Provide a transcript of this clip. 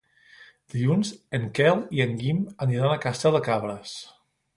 Dilluns en Quel i en Guim aniran a Castell de Cabres.